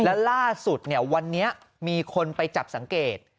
และล่าสุดวันนี้มีคนไปจับสังเกต